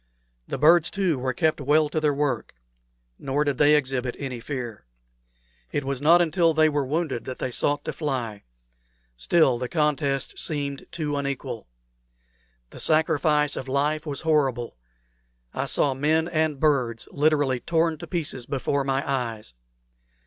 The birds, too, were kept well to their work; nor did they exhibit any fear. It was not until they were wounded that they sought to fly. Still, the contest seemed too unequal. The sacrifice of life was horrible. I saw men and birds literally torn to pieces before my eyes.